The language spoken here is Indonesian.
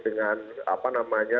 dengan apa namanya